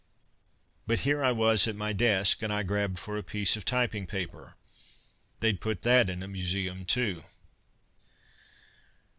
But here I was at my desk, and I grabbed for a piece of typing paper. They'd put that in a museum, too!